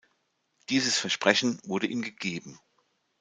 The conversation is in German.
Dieses Versprechen wurde ihm gegeben.